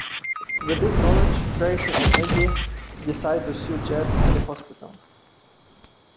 With this knowledge, Tracy and Andy decide to sue Jed and the hospital.